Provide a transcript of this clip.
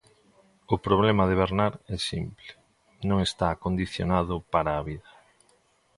O problema de Bernard é simple: non está acondicionado para a vida.